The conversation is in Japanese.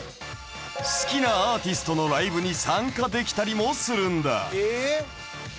好きなアーティストのライブに参加できたりもするんだ。